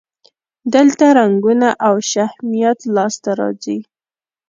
دلته رنګونه او شهمیات لاسته راځي.